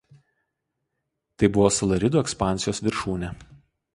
Tai buvo Salaridų ekspansijos viršūnė.